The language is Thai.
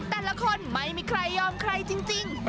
แต่ละคนไม่มีใครยอมใครจริง